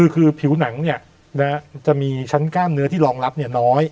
คือผิวหนังจะมีชั้นกล้ามเนื้อที่รองรับน้อย